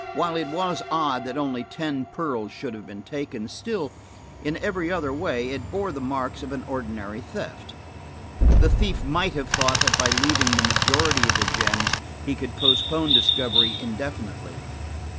While it was odd that only ten pearls should have been taken, still–in every other way it bore the marks of an ordinary theft. The thief might have thought that by leaving the majority of the gems he could postpone discovery indefinitely.